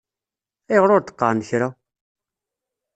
Ayɣer ur d-qqaṛen kra?